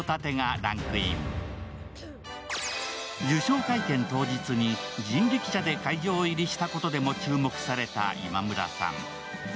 受賞会見当日に人力車で会場入りしたことでも注目された今村さん。